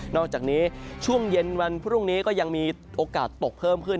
อกจากนี้ช่วงเย็นวันพรุ่งนี้ก็ยังมีโอกาสตกเพิ่มขึ้น